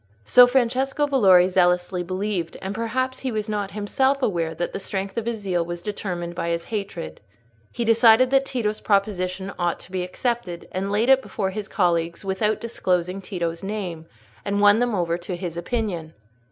So Francesco Valori zealously believed; and perhaps he was not himself aware that the strength of his zeal was determined by his hatred. He decided that Tito's proposition ought to be accepted, laid it before his colleagues without disclosing Tito's name, and won them over to his opinion.